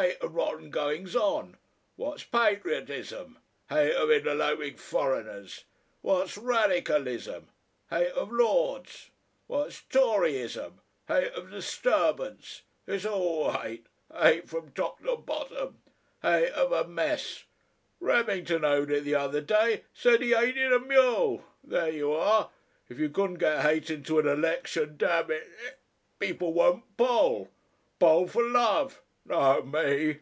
hate of rotten goings on. What's patriotism? hate of int'loping foreigners. What's Radicalism? hate of lords. What's Toryism? hate of disturbance. It's all hate hate from top to bottom. Hate of a mess. Remington owned it the other day, said he hated a mu'll. There you are! If you couldn't get hate into an election, damn it (hic) people wou'n't poll. Poll for love! no' me!"